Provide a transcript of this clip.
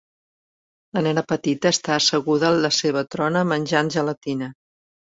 La nena petita està asseguda a la seva trona menjant gelatina.